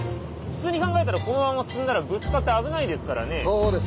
普通に考えたらこのまま進んだらぶつかって危ないですからね。